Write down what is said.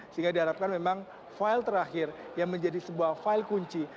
sehingga diharapkan memang file terakhir yang menjadi sebuah file kunci